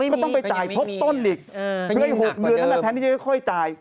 ก็ต้องไปจ่ายท็อมต้นอีกเพื่อให้๖เดือนแทนที่ยังไม่ค่อยจ่าย